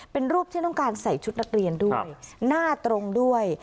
เป็นรูปที่ต้องการใส่ชุดนักเรียนด้วยหน้าตรงด้วย